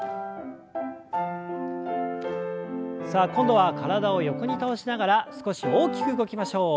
さあ今度は体を横に倒しながら少し大きく動きましょう。